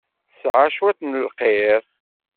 Tesɛa cwiṭ n lqir.